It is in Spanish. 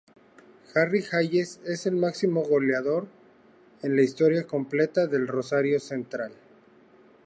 Harry Hayes es el máximo goleador en la historia completa de Rosario Central.